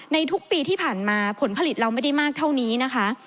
ทุกปีที่ผ่านมาผลผลิตเราไม่ได้มากเท่านี้นะคะ